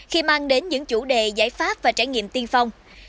khi mang đến những chủ đề giải pháp và trải nghiệm tiên phong